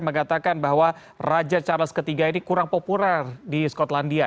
mengatakan bahwa raja charles iii ini kurang populer di skotlandia